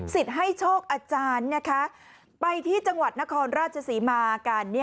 ให้โชคอาจารย์นะคะไปที่จังหวัดนครราชศรีมากัน